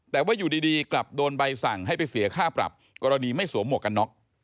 แต่ว่าอยู่ดีกลับโดนใบสั่งให้ไปเสียค่าปรับกรณีไม่สวมหมวกกันน็อก